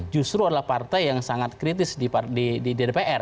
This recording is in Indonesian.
justru adalah partai yang sangat kritis di dpr